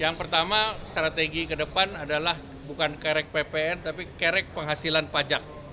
yang pertama strategi ke depan adalah bukan kerek ppn tapi kerek penghasilan pajak